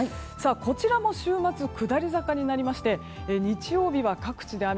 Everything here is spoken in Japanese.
こちらも週末は下り坂になりまして日曜日は各地で雨。